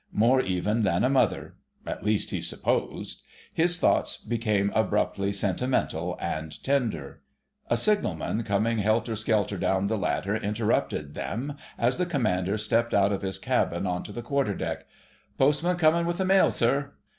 More even than a Mother—at least, he supposed.... His thoughts became abruptly sentimental and tender. A signalman, coming helter skelter down the ladder, interrupted them, as the Commander stepped out of his cabin on to the quarter deck. "Postman comin' with the mail, sir."